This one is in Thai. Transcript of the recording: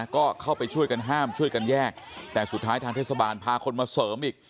ก็เข้าไปช่วยกันห้ามช่วยกันแยกแต่สุดท้ายทางเทศบาลพาคนมาเสริมอีก